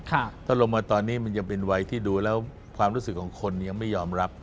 ถ้าลงมาตอนนี้มันยังเป็นวัยที่ดูแล้วความรู้สึกของคนยังไม่ยอมรับ